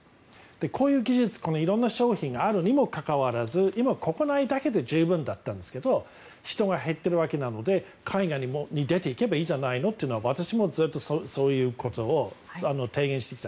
こういう技術色んな商品があるにもかかわらず今まで国内だけで十分だったんですけど人が減っているわけなので海外に出ていけばいいじゃないのという私もずっとそういうことを提言してきた。